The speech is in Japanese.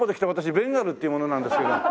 ベンガルっていう者なんですけど。